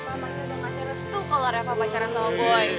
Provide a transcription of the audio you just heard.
mamanya tuh gak serius tuh kalo reva pacaran sama boy